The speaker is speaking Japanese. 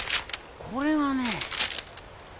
これがね。